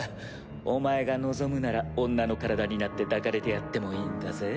お前が望むなら女の体になって抱かれてやってもいいんだぜ？